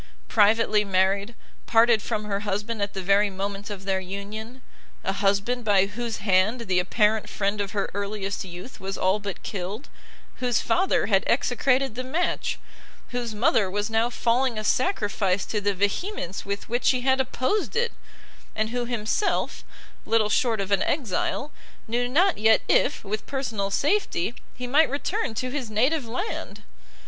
Privately married, parted from her husband at the very moment of their union, a husband by whose hand the apparent friend of her earliest youth was all but killed, whose father had execrated the match, whose mother was now falling a sacrifice to the vehemence with which she had opposed it, and who himself, little short of an exile, knew not yet if, with personal safety, he might return to his native land!